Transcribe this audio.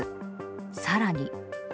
更に。